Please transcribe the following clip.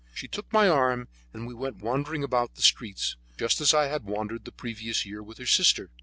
She took my arm and we went wandering about the streets, just as I had wandered the previous year with her sister.